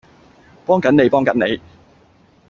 幫緊你幫緊你